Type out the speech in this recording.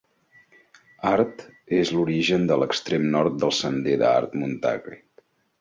Hart és l'origen de l'extrem nord del sender de Hart-Montague.